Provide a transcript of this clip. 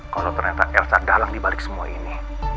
kalo ternyata elsa galang dibalik semua ini